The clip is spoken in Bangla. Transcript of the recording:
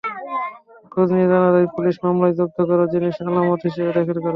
খোঁজ নিয়ে জানা যায়, পুলিশ মামলায় জব্দ করা জিনিস আলামত হিসেবে দাখিল করে।